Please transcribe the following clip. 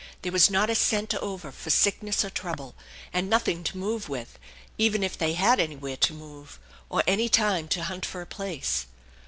There was not a cent over for sickness or trouble, and nothing to move with, even if they had anywhere to move, or any time to hunt for a place.